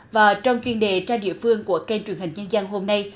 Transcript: và trong chuyên đề tra địa phương của kênh truyền hình nhân dân hôm nay